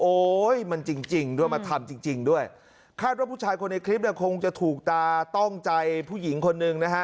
โอ๊ยมันจริงจริงด้วยมาทำจริงจริงด้วยคาดว่าผู้ชายคนในคลิปเนี่ยคงจะถูกตาต้องใจผู้หญิงคนหนึ่งนะฮะ